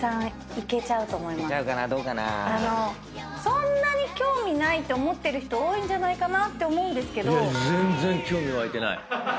そんなに興味ないって思ってる人多いんじゃないかなって思うんですけど。